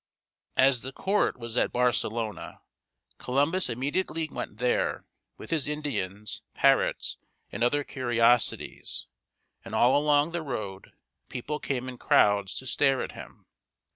] As the court was at Bar ce lo´na, Columbus immediately went there, with his Indians, parrots, and other curiosities, and all along the road people came in crowds to stare at him.